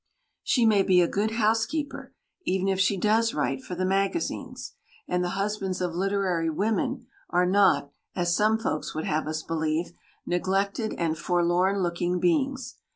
She may be a good housekeeper, even if she does write for the magazines, and the husbands of literary women are not, as some folks would have us believe, neglected and forlorn looking beings.